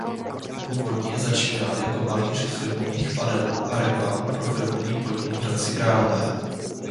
Původně začínal jako malíř filmových panelů a reklam pro filmový podnik v Hradci Králové.